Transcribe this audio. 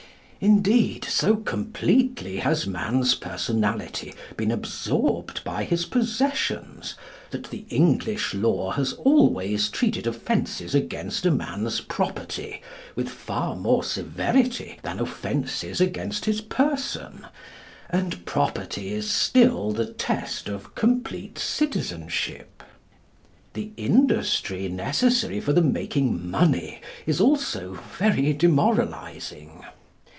Indeed, so completely has man's personality been absorbed by his possessions that the English law has always treated offences against a man's property with far more severity than offences against his person, and property is still the test of complete citizenship. The industry necessary for the making money is also very demoralising.